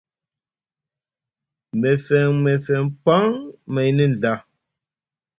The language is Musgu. Mefeŋ mefeŋ paŋ maini nɵa.